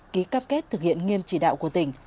ký cam kết thực hiện nghiêm chỉ đạo của tỉnh